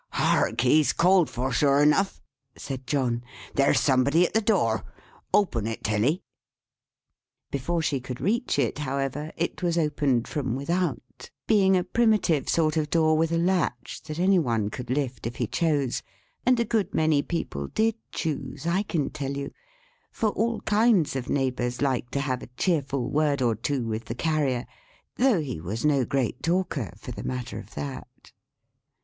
"Hark! He's called for, sure enough," said John. "There's somebody at the door. Open it, Tilly." Before she could reach it, however, it was opened from without; being a primitive sort of door, with a latch, that any one could lift if he chose and a good many people did choose, I can tell you; for all kinds of neighbours liked to have a cheerful word or two with the Carrier, though he was no great talker for the matter of that.